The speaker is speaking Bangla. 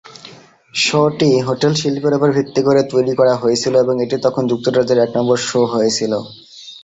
শোটি হোটেল শিল্পের উপর ভিত্তি করে তৈরি করা হয়েছিল এবং এটি তখন যুক্তরাজ্যের এক নম্বর শো হয়েছিল।